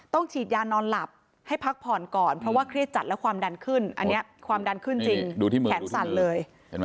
ฉีดยานอนหลับให้พักผ่อนก่อนเพราะว่าเครียดจัดแล้วความดันขึ้นอันนี้ความดันขึ้นจริงแขนสั่นเลย